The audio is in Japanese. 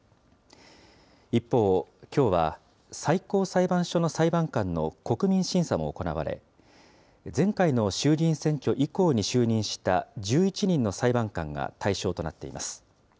一方、きょうは最高裁判所の裁判官の国民審査も行われ、前回の衆議院選挙以降に就任した１１人の裁判官が対象となっています。